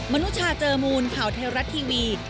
นุชาเจอมูลข่าวเทวรัฐทีวี